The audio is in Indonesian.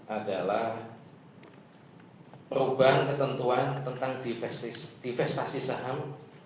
adalah perubahan ketentuan tentang divestasi saham